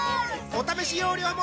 お試し容量も